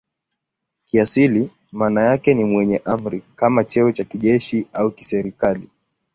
Kiasili maana yake ni "mwenye amri" kama cheo cha kijeshi au kiserikali.